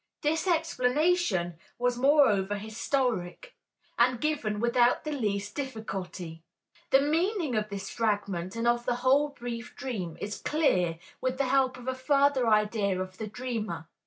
This explanation was moreover historic, and given without the least difficulty. The meaning of this fragment and of the whole brief dream, is clear with the help of a further idea of the dreamer.